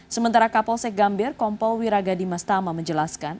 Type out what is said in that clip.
sementara kapolsek gambir kompol wiraga di mastama menjelaskan